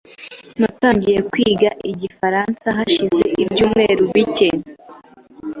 Natangiye kwiga igifaransa hashize ibyumweru bike .